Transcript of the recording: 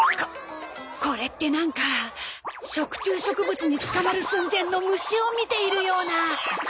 ここれってなんか食虫植物に捕まる寸前の虫を見ているような。